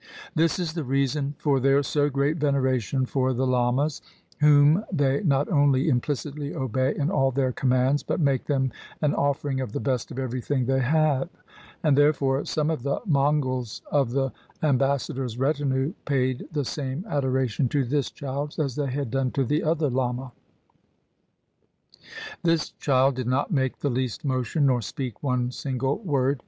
This is the reason for their so great venera tion for the lamas, whom they not only implicitly obey in all their commands, but make them an offering of the best of everything they have ; and therefore some of the Mongols of the ambassadors' retinue paid the same adora tion to this child as they had done to the other lama. This child did not make the least motion nor speak one single word.